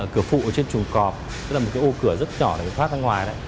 cửa phụ ở trên trùng cọp tức là một cái ô cửa rất nhỏ để thoát ra ngoài này